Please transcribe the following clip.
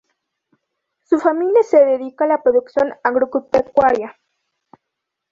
Su familia se dedica a la producción agropecuaria.